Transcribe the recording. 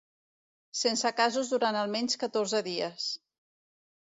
Sense casos durant almenys catorze dies.